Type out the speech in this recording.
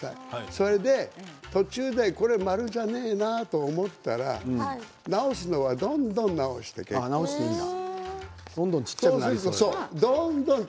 それで途中で円じゃないなと思ったら直すのはどんどん直していいです。